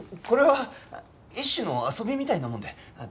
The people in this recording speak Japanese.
これは一種の遊びみたいなもので。